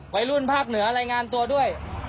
ไว้รุ่นภาคเหนือรายงานตัวด้วย